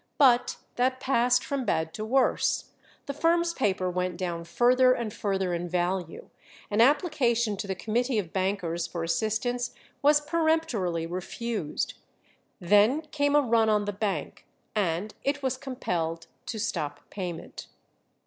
But that passed from bad to worse; the firm's paper went down further and further in value; an application to the Committee of Bankers for assistance was peremptorily refused, then came a run on the bank, and it was compelled to stop payment.